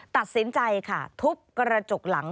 ตัดสินใจค่ะทุบกระจกหลัง